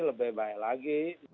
lebih baik lagi